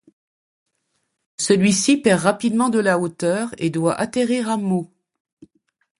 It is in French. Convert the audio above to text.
Celui-ci perd rapidement de la hauteur et doit atterrir à Meaux.